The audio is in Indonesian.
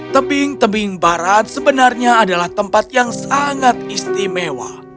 tebing tebing barat sebenarnya adalah tempat yang sangat istimewa